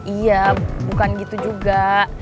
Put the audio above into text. iya bukan gitu juga